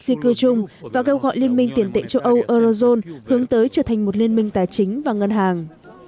di cư chung và kêu gọi liên minh tiền tệ châu âu eurozone hướng tới trở thành một liên minh tài chính và ngân hàng